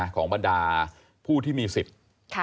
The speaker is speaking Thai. บรรดาผู้ที่มีสิทธิ์